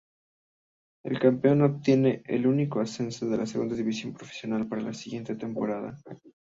El campeón obtiene el único ascenso a Segunda División Profesional para la siguiente temporada.